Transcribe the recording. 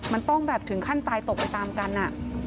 มันต้องแบบถึงขั้นตายตกไปตามกัน